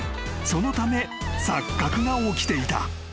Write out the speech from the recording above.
［そのため錯覚が起きていた］